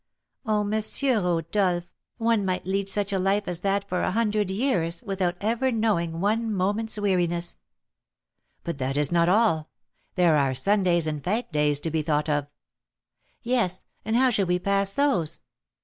"Oh, M. Rodolph, one might lead such a life as that for a hundred years, without ever knowing one moment's weariness." "But that is not all. There are Sundays and fête days to be thought of." "Yes; and how should we pass those?"